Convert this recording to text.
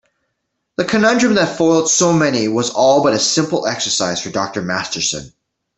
The conundrum that foiled so many was all but a simple exercise for Dr. Masterson.